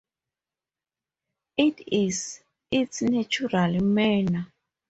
It is its natural manure.